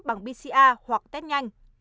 bằng bca hoặc test nhanh